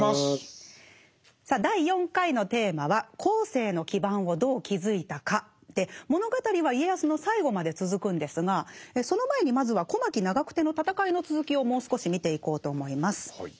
さあ第４回の物語は家康の最期まで続くんですがその前にまずは小牧・長久手の戦いの続きをもう少し見ていこうと思います。